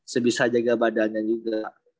sebisa jaga badannya juga